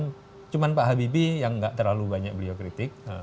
bukan cuma pak habibie yang gak terlalu banyak beliau kritik